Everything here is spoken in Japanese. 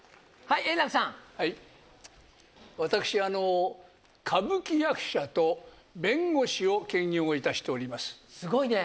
私歌舞伎役者と弁護士を兼業いたしております。すごいね。